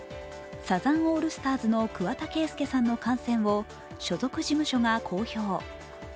サザンオールスターズの桑田佳祐さんの感染を所属事務所が公表。